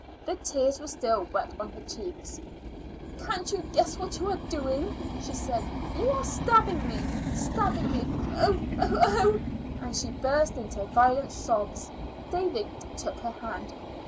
The tears were still wet on her cheeks. "Can't you guess what you are doing?" she said. "You are stabbing me stabbing me. Oh! oh! oh!" and she burst into violent sobs. David took her hand.